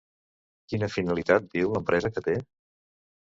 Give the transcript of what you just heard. Quina finalitat diu l'empresa que té?